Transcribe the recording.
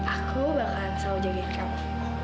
aku bakalan selalu jagain kamu